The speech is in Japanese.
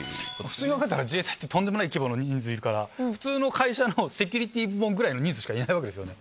普通だったら、自衛隊って、とんでもない規模の人数いるから、普通の会社のセキュリティ部門くらいの人数しかいないわけですよね。